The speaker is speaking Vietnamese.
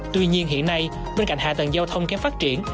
tuy nhiên hiện nay bên cạnh hạ tầng giao thông kém phát triển